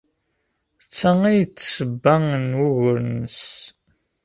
D ta ay d tasebba n wuguren-nnes